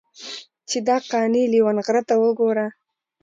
چې دا قانع لېونغرته وګوره.